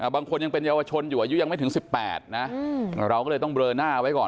บางคนยังเป็นเยาวชนอยู่อายุยังไม่ถึง๑๘นะเราก็เลยต้องเลอหน้าไว้ก่อน